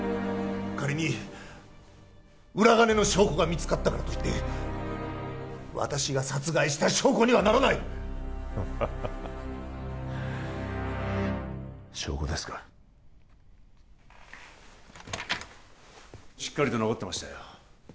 仮に裏金の証拠が見つかったからといって私が殺害した証拠にはならないハハハハ証拠ですかしっかりと残ってましたよ